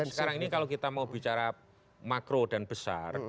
sekarang ini kalau kita mau bicara makro dan besar